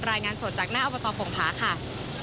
รายงานสดจากหน้าอุปกรณ์ฝงภาค่ะ